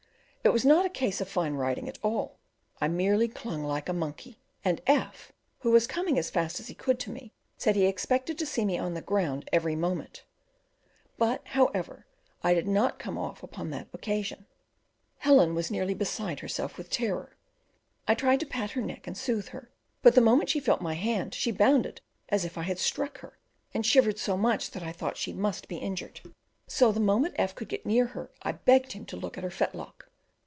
It was not a case of fine riding at all; I merely clung like a monkey, and F , who was coming as fast as he could to me, said he expected to see me on the ground every moment; but, however, I did not come off upon that occasion. Helen was nearly beside herself with terror. I tried to pat her neck and soothe her, but the moment she felt my hand she bounded as if I had struck her, and shivered so much that I thought she must be injured; so the moment F could get near her I begged him to look at her fetlock.